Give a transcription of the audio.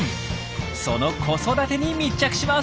その子育てに密着します！